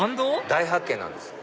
大発見なんですよ。